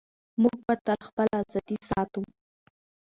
موږ به تل خپله ازادي ساتو.